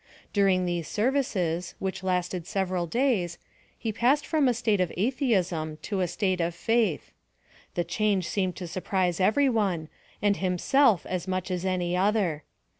During these services, which lasted several days, he passed from a state of atheism to a state of faith. The change seemed to surprise every one, and himself as much as any other.